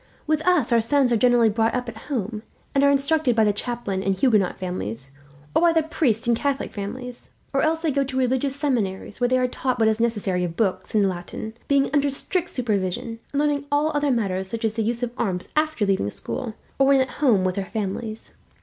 With us our sons are generally brought up at home, and are instructed by the chaplain, in Huguenot families; or by the priest in Catholic families; or else they go to religious seminaries, where they are taught what is necessary of books and Latin, being under strict supervision, and learning all other matters such as the use of arms after leaving school, or when at home with their families."